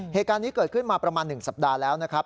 เหตุการณ์นี้เกิดขึ้นมาประมาณ๑สัปดาห์แล้วนะครับ